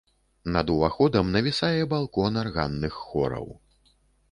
Над уваходам навісае балкон арганных хораў.